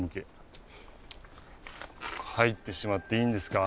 入ってしまっていいんですか？